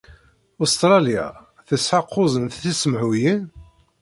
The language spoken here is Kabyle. Ustṛalya tesɛa kuẓ n tisemhuyin?